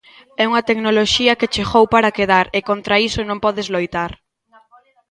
É unha tecnoloxía que chegou para quedar e contra iso non podes loitar.